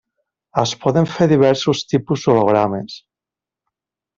Es poden fer diversos tipus d'hologrames.